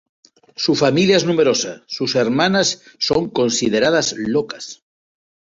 Su familia es numerosa, sus hermanas son consideradas locas.